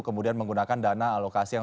kemudian menggunakan dana alokasi yang